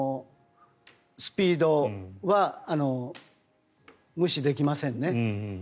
スピードは無視できませんね。